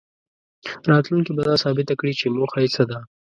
راتلونکې به دا ثابته کړي چې موخه یې څه ده.